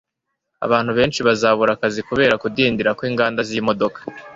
abantu benshi bazabura akazi kubera kudindira kwinganda zimodoka